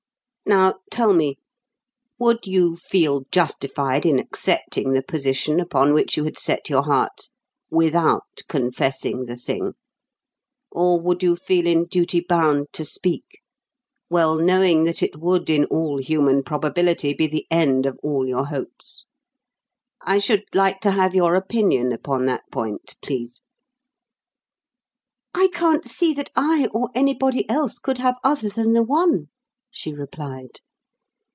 Now tell me: would you feel justified in accepting the position upon which you had set your heart without confessing the thing; or would you feel in duty bound to speak, well knowing that it would in all human probability be the end of all your hopes? I should like to have your opinion upon that point, please." "I can't see that I or anybody else could have other than the one," she replied.